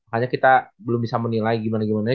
hanya kita belum bisa menilai gimana gimana